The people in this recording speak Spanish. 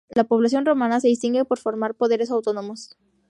La población romana se distingue por formar poderes autónomos.